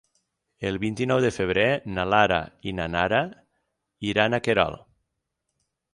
El vint-i-nou de febrer na Lara i na Nara iran a Querol.